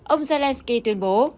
ông zelenskyy tuyên bố